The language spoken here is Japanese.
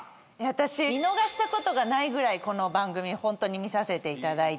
私見逃したことがないぐらいこの番組ホントに見させていただいてて。